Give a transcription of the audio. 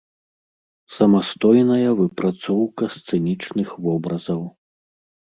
Самастойная выпрацоўка сцэнічных вобразаў.